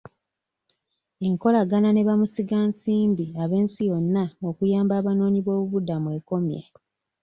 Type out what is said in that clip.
Enkolagana ne bamusiga nsimbi ab'ensi yonna okuyamba abanoonyi b'obubuddamu ekomye.